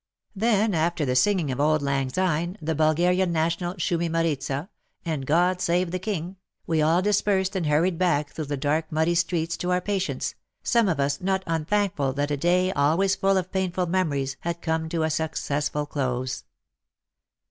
Then after the singing of *' Auld lang syne," the Bulgarian national Shumi Maritza " and God save the King," we all dispersed and hurried back through the dark muddy streets to our patients, some of us not unthankful that a day always full of painful memories had come to a successful close.